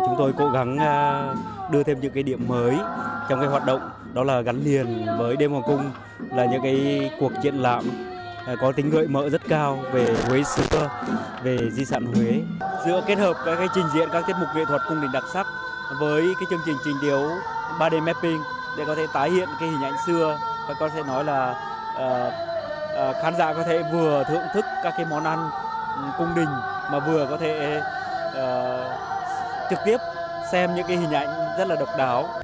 nói là khán giả có thể vừa thưởng thức các món ăn cung đình mà vừa có thể trực tiếp xem những hình ảnh rất là độc đáo